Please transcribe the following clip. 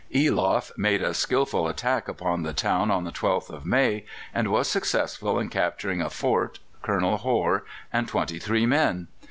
Eloff made a skilful attack upon the town on the 12th of May, and was successful in capturing a fort, Colonel Hore, and twenty three men.